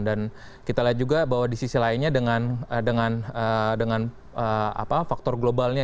dan kita lihat juga bahwa di sisi lainnya dengan faktor globalnya